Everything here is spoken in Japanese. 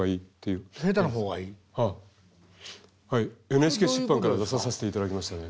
ＮＨＫ出版から出させていただきましたね。